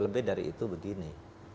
lebih dari itu begini